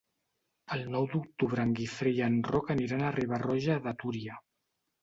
El nou d'octubre en Guifré i en Roc aniran a Riba-roja de Túria.